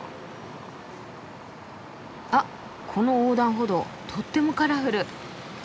あっこの横断歩道とってもカラフル。